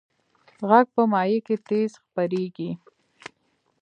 غږ په مایع کې تیز خپرېږي.